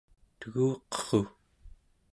teguqerru